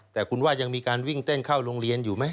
แต่คุณว่ายังมีการวิ่งเต้นเข้าโรงเรียนอยู่ไหม